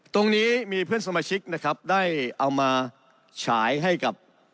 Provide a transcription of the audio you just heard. ตรงนี้มีเพื่อนสมาชิกนะครับได้เอามาฉายให้กับ